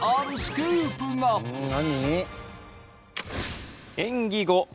「何？」